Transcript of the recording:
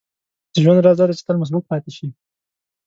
• د ژوند راز دا دی چې تل مثبت پاتې شې.